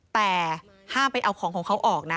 แต่ห้ามไปเอาของของเขาออกนะ